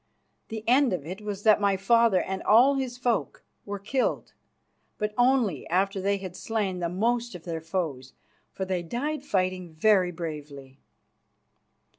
The end of it was that my father and all his folk were killed, but only after they had slain the most of their foes, for they died fighting very bravely.